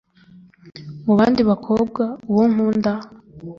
Mu bandi bakobwa, uwo nkunda